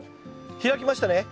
開きました。